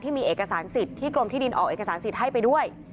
มีเอกสารสิทธิ์ที่กรมที่ดินออกเอกสารสิทธิ์ให้ไปด้วย